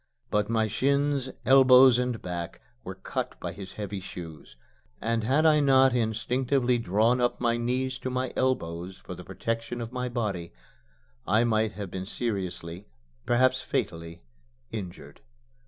But my shins, elbows, and back were cut by his heavy shoes; and had I not instinctively drawn up my knees to my elbows for the protection of my body, I might have been seriously, perhaps fatally, injured.